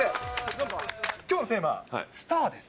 きょうのテーマ、スターです。